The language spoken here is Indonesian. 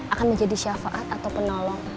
akan menjadi syafaat atau penolong